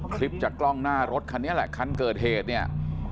คลิปจากกล้องหน้ารถคันนี้แหละคันเกิดเหตุเนี่ย